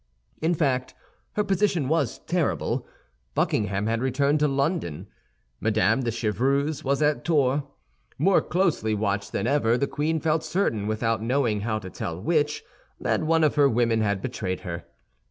In fact, her position was terrible. Buckingham had returned to London; Mme. de Chevreuse was at Tours. More closely watched than ever, the queen felt certain, without knowing how to tell which, that one of her women had betrayed her.